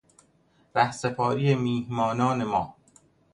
رهسپاری میهمانان ما